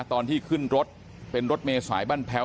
ตอนที่ขึ้นรถเป็นรถเมษายบ้านแพ้ว